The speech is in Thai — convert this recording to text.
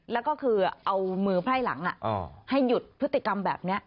แล้วก็คือเอามือไพร่หลังให้หยุดพฤติกรรมแบบนี้